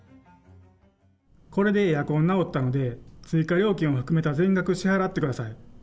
これでエアコン直ったので、追加料金を含めた全額を支払ってください。